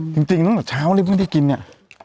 จริงตั้งแต่เช้าเลยเพิ่งได้กินเนี่ย